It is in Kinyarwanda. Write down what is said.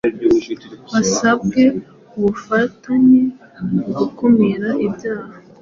basabwe ubufatanye mu gukumira ibyaha